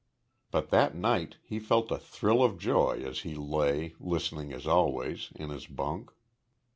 But that night he felt a thrill of joy as he lay, listening as always, in his bunk.